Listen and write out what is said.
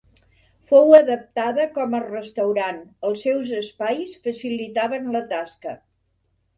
Fou adaptada com a restaurant; els seus espais facilitaven la tasca.